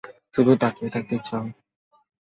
শুধু তাকিয়ে থাকতে ইচ্ছে হয়।